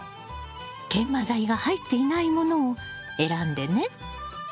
研磨材が入っていないものを選んでね。